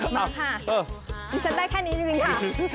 มาค่ะดิฉันได้แค่นี้จริงค่ะ